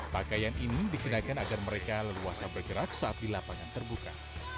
pakaian ini dikenakan agar mereka leluasa bergerak saat di lapangan terbuka